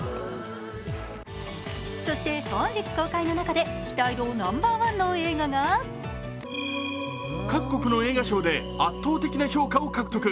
そして本日公開の中で期待度ナンバーワンの映画が各国の映画賞で圧倒的な評価を獲得。